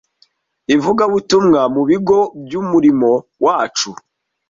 Ivugabutumwa mu Bigo by’Umurimo wacu